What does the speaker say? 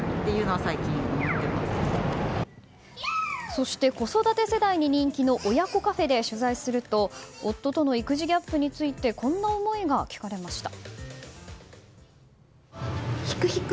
そして子育て世帯に人気の親子カフェで取材すると夫との育児ギャップについてこんな思いが聞かれました。